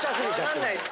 分かんない。